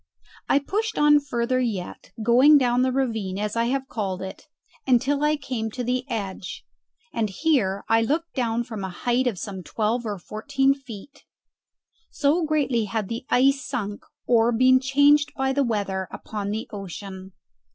I pushed on further yet, going down the ravine, as I have called it, until I came to the edge; and here I looked down from a height of some twelve or fourteen feet so greatly had the ice sunk or been changed by the weather upon the ocean.